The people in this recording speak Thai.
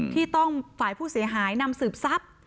ที่ต้องฝ่ายผู้เสียหายนำสืบทรัพย์